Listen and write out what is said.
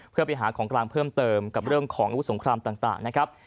เพื่อไปหาของกลางเพิ่มเติมกับเรื่องของอาวุธสงครามต่างนะครับ